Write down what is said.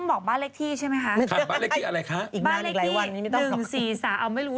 บ้านเร็กที่๑๔๓ก็บอกว่าก่อนไง